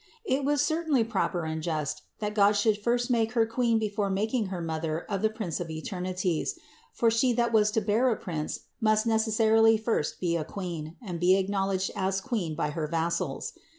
It was certainly proper and just that God should first make Her Queen before making Her Mother of the Prince of eternities ; for She that was to bear a Prince, must necessarily first be a Queen and be acknowledged as Queen by her vassals.